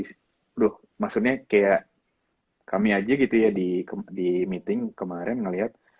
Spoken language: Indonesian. aduh maksudnya kayak kami aja gitu ya di meeting kemarin ngeliat